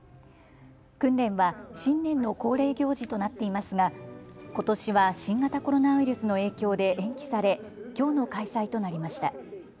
訓練は新年の恒例行事となっていますがことしは新型コロナウイルスの影響で延期されきょうの開催となりました。